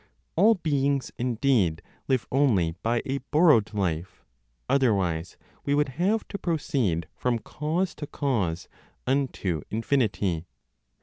All beings, indeed, live only by a borrowed life; otherwise, we would have to proceed from cause to cause unto infinity.